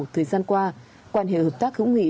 thời gian qua quan hệ hợp tác hữu nghị